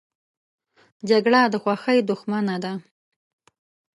جګړه د خوښۍ دښمنه ده